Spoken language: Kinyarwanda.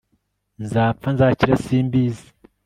nzapfa nzakira simbizi